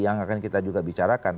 yang akan kita juga bicarakan